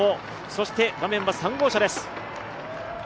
そして画面は３号車です。